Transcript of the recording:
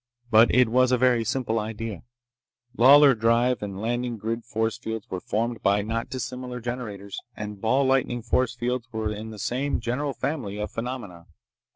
But it was a very simple idea. Lawlor drive and landing grid force fields were formed by not dissimilar generators, and ball lightning force fields were in the same general family of phenomena.